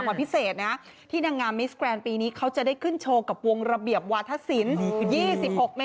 คุณผู้ชมคุณผู้ชมคุณผู้ชมคุณผู้ชมคุณผู้ชมคุณผู้ชม